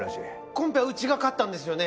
コンペはうちが勝ったんですよね？